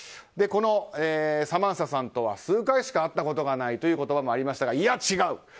このサマンサさんとは数回しか会ったことがないという言葉もありましたが、いや違う。